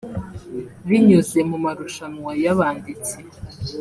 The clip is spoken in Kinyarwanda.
binyuze mu marushanwa y’abanditsi